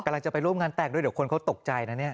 จะไปร่วมงานแต่งด้วยเดี๋ยวคนเขาตกใจนะเนี่ย